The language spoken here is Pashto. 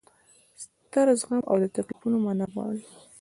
ستر زغم او د تکلیفونو منل غواړي.